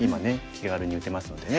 気軽に打てますのでね。